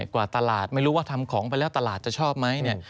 กว่าตลาดไม่รู้ว่าทำของไปแล้วตลาดจะชอบไหมเนี่ย